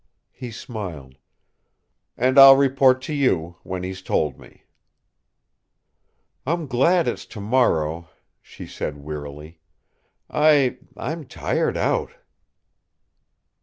He smiled. "And I'll report to you, when he's told me." "I'm glad it's tomorrow," she said wearily. "I I'm tired out."